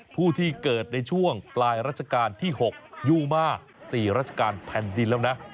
ผู้ที่เกิดในช่วงปลายรัชกาลที่๖อยู่มา๔ราชการแผ่นดินแล้วนะ